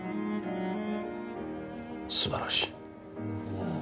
素晴らしい。